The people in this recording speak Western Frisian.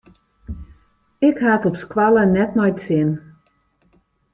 Ik ha it op skoalle net nei it sin.